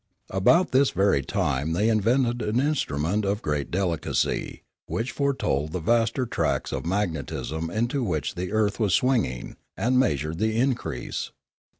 About this very time they invented an instrument of great delicacy, which foretold the vaster tracts of mag netism into which the earth was swinging, and meas ured the increase.